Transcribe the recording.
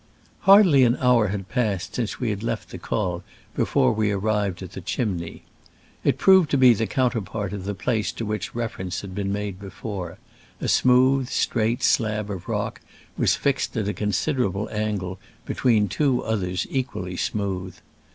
Hardly an hour had passed since we left the col before we arrived at the Chimney." It proved to be the coun terpart of the place to which refer ence has been before made : a smooth, straight slab of rock was fixed at a con siderable angle between two others equally smooth.